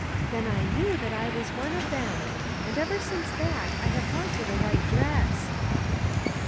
Then I knew that I was one of them ; and ever since that I have wanted a white dress."